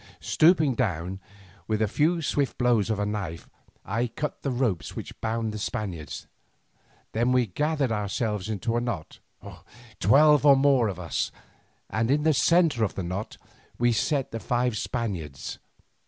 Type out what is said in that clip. Stooping down, with a few swift blows of a knife I cut the ropes which bound the Spaniards. Then we gathered ourselves into a knot, twelve of us or more, and in the centre of the knot we set the five Spaniards.